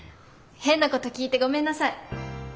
変なこと聞いてごめんなさい。